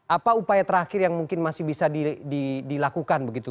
apa upaya terakhir yang mungkin masih bisa dilakukan begitu